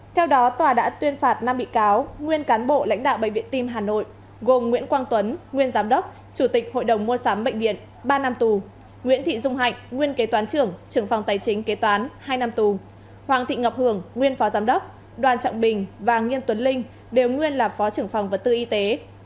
theo đó tòa đã tuyên phạt năm bị cáo nguyên cán bộ lãnh đạo bệnh viện tim hà nội gồm nguyễn quang tuấn nguyên giám đốc chủ tịch hội đồng mua sắm bệnh viện ba năm tù nguyễn thị dung hạnh nguyên kế toán trưởng trưởng phòng tài chính kế toán hai năm tù hoàng thị ngọc hường nguyên phó giám đốc đoàn trọng bình và nghiêm tuấn linh đều nguyên là phó trưởng phòng vật tư y tế